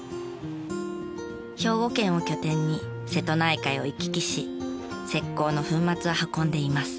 兵庫県を拠点に瀬戸内海を行き来し石膏の粉末を運んでいます。